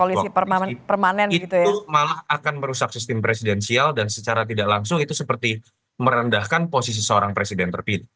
itu malah akan merusak sistem presidensial dan secara tidak langsung itu seperti merendahkan posisi seorang presiden terpilih